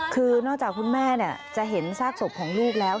คือนอกจากคุณแม่จะเห็นซากศพของลูกแล้ว